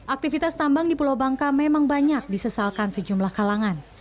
aktivitas tambang di pulau bangka memang banyak disesalkan sejumlah kalangan